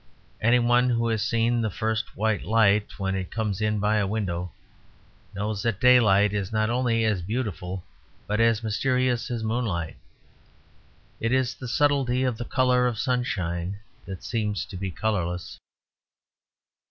Any one who has seen the first white light, when it comes in by a window, knows that daylight is not only as beautiful but as mysterious as moonlight. It is the subtlety of the colour of sunshine that seems to be colourless.